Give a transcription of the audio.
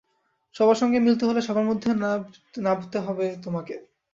সবার সঙ্গে মিলতে হলে সবার মধ্যে নাবতে হয় তোমাকে।